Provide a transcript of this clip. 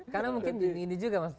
karena mungkin gini juga mas toto